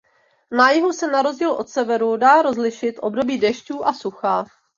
Na jihu se na rozdíl od severu dá rozlišit období dešťů a sucha.